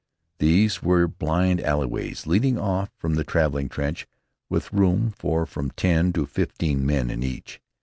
These were blind alleyways leading off from the traveling trench, with room for from ten to fifteen men in each.